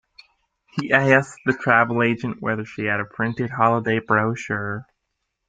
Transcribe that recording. He asked the travel agent whether she had a printed holiday brochure